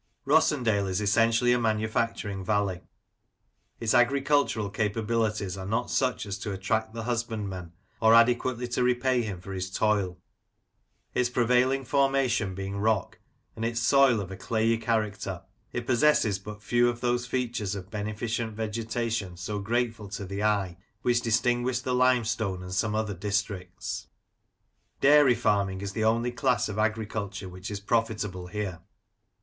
Rossendale is essentially a manufacturing valley. Its agricultural capabilities are not such as to attract the husbandman, or adequately to repay him for his toil Its prevailing formation being rock, and its soil of a clayey character, it possesses but few of those features of beneficent vegetation, so grateful to the eye, which distinguish the limestone and some other districts. Dairy 84 Lancashire Characters and Places, farming is the only class of agriculture which is profitable here.